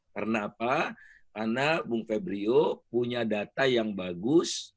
karena apa karena bung febrio punya data yang bagus